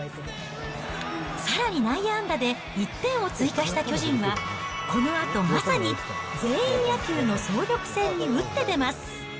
さらに内野安打で１点を追加した巨人は、このあとまさに全員野球の総力戦に打って出ます。